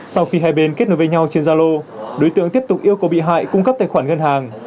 sau khi hai bên kết nối với nhau trên gia lô đối tượng tiếp tục yêu cầu bị hại cung cấp tài khoản ngân hàng